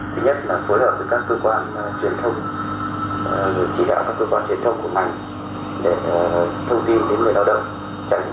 thứ nhất là phối hợp với các cơ quan truyền thông rồi chỉ đạo các cơ quan truyền thông của ngành để thông tin đến người lao động